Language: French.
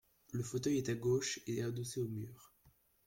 Le fauteuil est à gauche et adossé au mur.